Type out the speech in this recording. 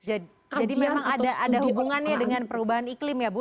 jadi memang ada hubungannya dengan perubahan iklim ya bu